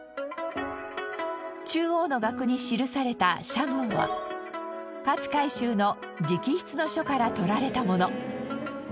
中央の額に記された社紋は勝海舟の直筆の書から取られたもの。